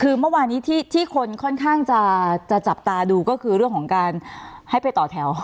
คือเมื่อวานี้ที่คนค่อนข้างจะจับตาดูก็คือเรื่องของการให้ไปต่อแถว